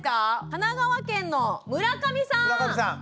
神奈川県の村上さん！